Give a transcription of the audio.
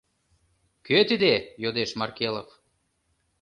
— Кӧ тиде? — йодеш Маркелов.